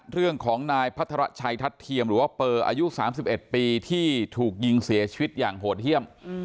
เรื่องของนายพัทรชัยทัศน์เทียมหรือว่าเปอร์อายุ๓๑ปีที่ถูกยิงเสียชีวิตอย่างโหดเยี่ยม